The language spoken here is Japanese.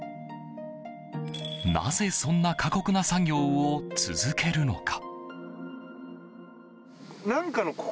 なぜ、そんな過酷な作業を続けるのか？